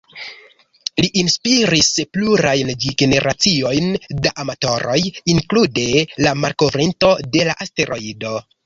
Li inspiris plurajn generaciojn da amatoroj, inklude la malkovrinto de la asteroido.